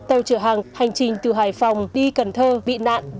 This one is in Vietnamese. tàu chở hàng hành trình từ hải phòng đi cần thơ bị nạn